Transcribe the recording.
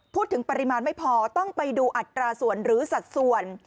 พูดถึงปริมาณไม่พอต้องไปดูอัตราส่วนหรือสัดส่วน